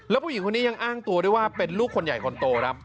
แล้วผู้หญิงคนนี้ยังอ้างตัวด้วยว่าเป็นลูกคนใหญ่คนโตครับ